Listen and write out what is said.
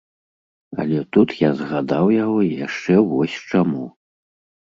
Але тут я згадаў яго яшчэ вось чаму.